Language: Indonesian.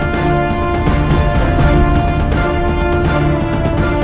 saya bukan petunjuk